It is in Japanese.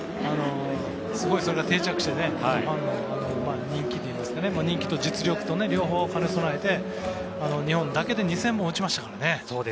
すごいそれが定着してファンの人気といいますか人気と実力と両方兼ね備えて日本だけで２０００本打ちましたからね。